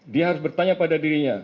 dia harus bertanya pada dirinya